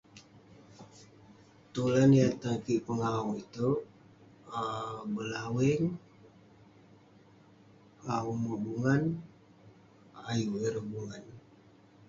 Tulan yah tan kik pengawu ituek um belawing umek bungan ayuk ireh bungan